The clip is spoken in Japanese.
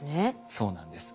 そうなんです。